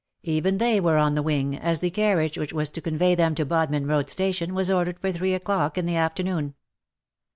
Even they were on the wing, as the carriage which was to convey them to Bodmin Road Station was ordered for three o'clock in the afternoon.